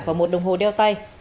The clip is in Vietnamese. và một đồng hồ đeo tay